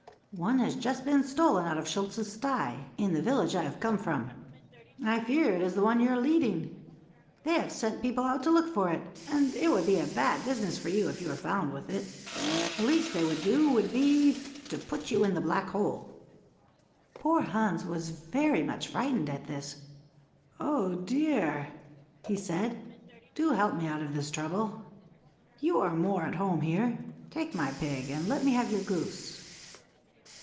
One has just been stolen out of Schultze's sty, in the village I have come from. I fear, I fear it is the one you are leading. They have sent people out to look for it, and it would be a bad business for you if you were found with it; the least they would do, would be to put you in the black hole." Poor Hans was very much frightened at this. "Oh, dear! oh, dear!" he said. "Do help me out of this trouble. You are more at home here; take my pig, and let me have your goose."